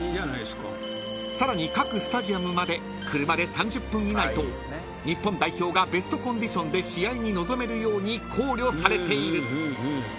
［さらに各スタジアムまで車で３０分以内と日本代表がベストコンディションで試合に臨めるように考慮されている］